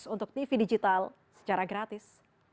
untuk tv digital secara gratis